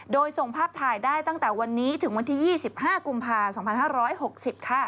โดยส่งภาพถ่ายได้ตั้งแต่วันนี้ถึงวันที่๒๕กุมภา๒๕๖๐ค่ะ